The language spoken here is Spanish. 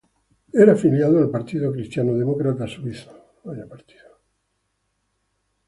Era afiliado al partido Cristiano Demócrata Suizo.